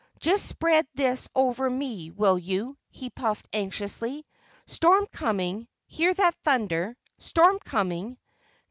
"Just spread this over me, will you?" he puffed anxiously. "Storm coming. Hear that thunder? Storm coming."